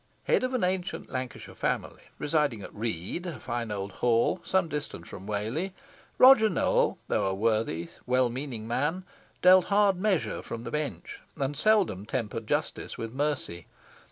Head of an ancient Lancashire family, residing at Read, a fine old hall, some little distance from Whalley, Roger Nowell, though a worthy, well meaning man, dealt hard measure from the bench, and seldom tempered justice with mercy.